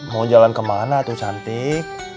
mau jalan kemana tuh cantik